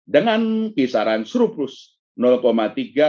dengan kisaran surplus tiga sampai dengan dewi saha indonesia